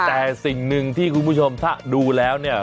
แต่สิ่งหนึ่งที่คุณผู้ชมถ้าดูแล้วเนี่ย